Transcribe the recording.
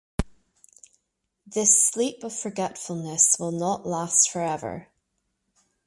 This sleep of forgetfulness will not last for ever.